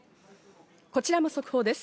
こちらも速報です。